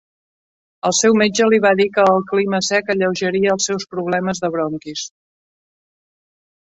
El seu metge li va dir que el clima sec alleujaria els seus problemes de bronquis.